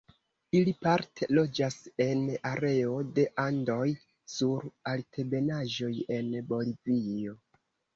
Ili parte loĝas en areo de Andoj sur altebenaĵoj en Bolivio.